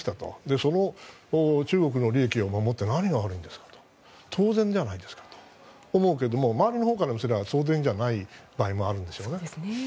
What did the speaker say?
その中国の利益を守って何が悪いんですか当然じゃないですかと思うけれども周りのほうからすれば当然じゃない場合もあるんです。